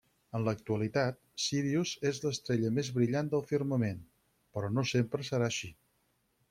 En l'actualitat, Sírius és l'estrella més brillant del firmament, però no sempre serà així.